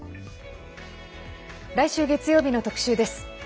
来週月曜日の特集です。